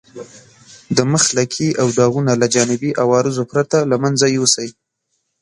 د مخ لکې او داغونه له جانبي عوارضو پرته له منځه یوسئ.